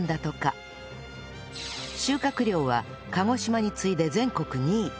収穫量は鹿児島に次いで全国２位